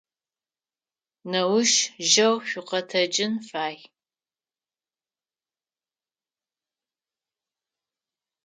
Неущ жьэу шъукъэтэджын фай.